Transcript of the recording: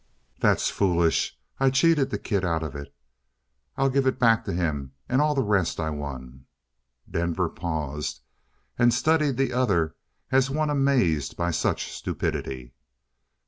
"That's foolish. I cheated the kid out of it. I'll give it back to him and all the rest I won." Denver paused and studied the other as one amazed by such stupidity.